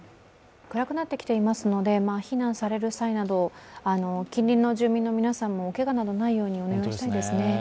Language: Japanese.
暗くなってきていますので避難される際など近隣の住民の皆さんもおけがなどないようにお願いしたいですね。